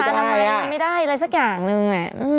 สุขภัณฑ์ทั้งหมดแล้วมันไม่ได้อะไรสักอย่างหนึ่ง